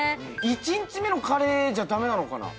１日目のカレーじゃ駄目なのかな？